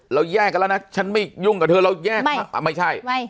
เราแยกกันแล้วนะฉันไม่ยุ่งกับเธอเราแยกไม่ใช่